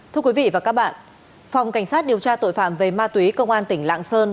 thưa quý vị và các bạn phòng cảnh sát điều tra tội phạm về ma túy công an tỉnh lạng sơn